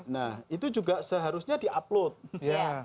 nah itu juga seharusnya di upload ya